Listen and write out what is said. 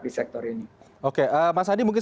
di sektor ini oke mas hadi mungkin